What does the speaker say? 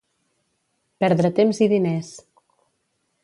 Perdre temps i diners.